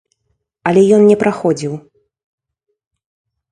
Але ён не праходзіў.